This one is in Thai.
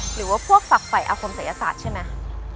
หรือว่าพวกฝักไฝอธิสัยศาสตร์ใช่มั้ย